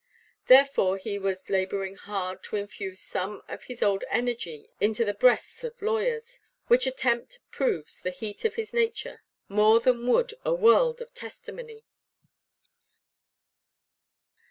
Therefore he was labouring hard to infuse some of his old energy into the breasts of lawyers—which attempt proves the heat of his nature more than would a world of testimony.